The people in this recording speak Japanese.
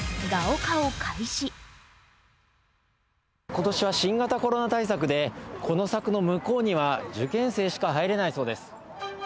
今年は新型コロナ対策でこの柵の向こうには受験生しか入れないそうです。